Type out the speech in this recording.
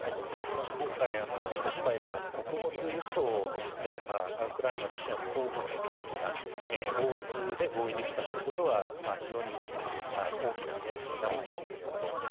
まず今回、黒海からの穀物輸送でウクライナ、ロシア双方の協議が大枠で合意できたということは非常に大きな前進だと思います。